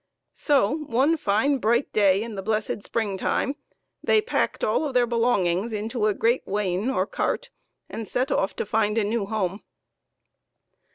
So one fine bright day in the blessed spring time, they packed all of their belongings into a great wain, or cart, and set off to find them a new home.